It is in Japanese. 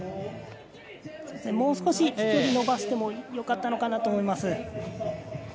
もう少し飛距離を伸ばしてもよかったのかなと思います。